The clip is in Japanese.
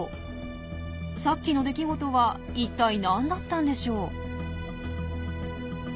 さっきの出来事は一体何だったんでしょう？